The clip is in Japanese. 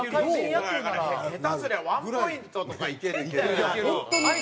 下手すりゃワンポイントとかいけんじゃない？